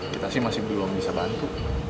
kita sih masih belum bisa bantu